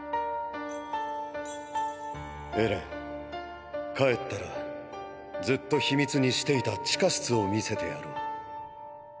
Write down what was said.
エレン帰ったらずっと秘密にしていた地下室を見せてやろう。